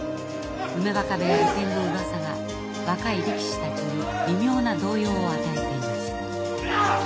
梅若部屋移転のうわさは若い力士たちに微妙な動揺を与えていました。